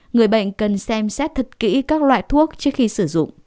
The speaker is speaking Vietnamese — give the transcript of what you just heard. người bệnh cần xem xét thật kỹ các loại thuốc trước khi sử dụng